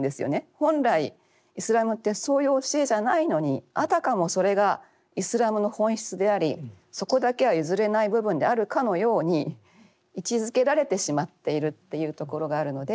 本来イスラムってそういう教えじゃないのにあたかもそれがイスラムの本質でありそこだけは譲れない部分であるかのように位置づけられてしまっているというところがあるので。